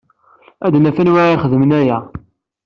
Ad d-naf anwa i ixedmen aya.